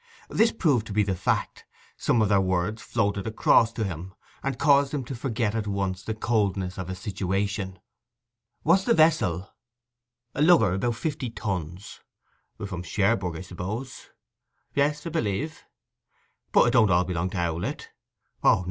This proved to be the fact: some of their words floated across to him, and caused him to forget at once the coldness of his situation. 'What's the vessel?' 'A lugger, about fifty tons.' 'From Cherbourg, I suppose?' 'Yes, 'a b'lieve.' 'But it don't all belong to Owlett?' 'O no.